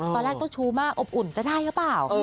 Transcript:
ตอนแรกก็ชู้มากอบอุ่นจะได้หรือเปล่า